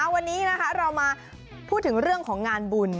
วันนี้เรามาพูดถึงเรื่องของงานบุญ